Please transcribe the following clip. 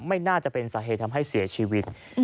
ไม่น่าจะเป็นสาเหตุทำให้เสียชีวิต